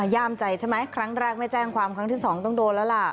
ย่ามใจใช่ไหมครั้งแรกไม่แจ้งความครั้งที่สองต้องโดนแล้วล่ะ